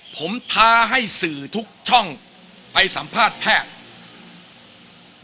ผมท้าให้สื่อทุกช่องไปสัมภาษณ์แพทย์